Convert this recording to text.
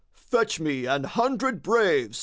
"Fetch me an hundred braves!"